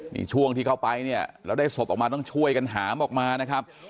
นี่ช่วงที่เข้าไปเนี่ยแล้วได้ศพออกมาต้องช่วยกันหามออกมานะครับ